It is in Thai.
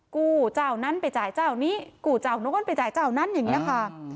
กู้เจ้านั้นไปจ่ายเจ้านี้กู้เจ้าโน้นไปจ่ายเจ้านั้นอย่างนี้ค่ะ